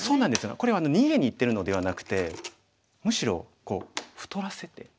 これは逃げにいってるのではなくてむしろ太らせて何ですかね捨て石？